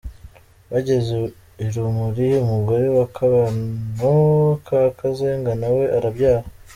Bageze i Rumuli, umugore wa Kabano ka Kazenga na we arabyara.